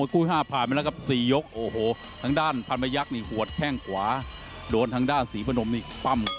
เข่ากับศอกมันคู่กันอยู่แล้วไงพี่ฟ้า